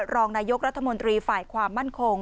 รองนายกรัฐมนตรีฝ่ายความมั่นคง